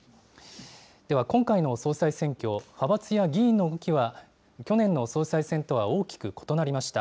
では、今回の総裁選挙、派閥や議員の動きは、去年の総裁選とは大きく異なりました。